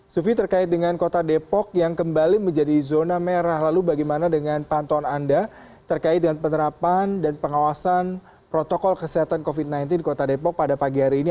sufi terkait dengan kota depok yang kembali menjadi zona merah lalu bagaimana dengan pantauan anda terkait dengan penerapan dan pengawasan protokol kesehatan covid sembilan belas di kota depok pada pagi hari ini